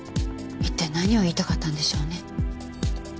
一体何を言いたかったんでしょうね？